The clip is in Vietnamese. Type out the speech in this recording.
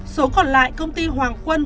số còn lại công ty hoàng quân